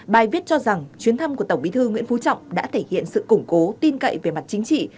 bài viết cho rằng chuyến thăm của tổng bí thư nguyễn phú trọng đã thể hiện sự củng cố tin cậy về mặt chính trị